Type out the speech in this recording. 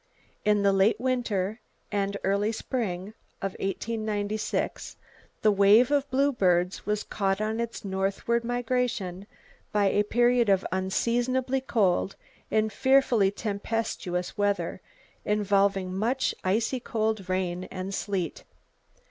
—In the late winter and early spring of 1896 the wave of bluebirds was caught on its northward migration by a period of unseasonably cold and fearfully tempestuous weather, involving much icy cold rain and sleet.